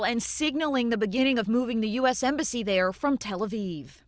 dan menunjukkan mulut memindahkan embasi as dari tel aviv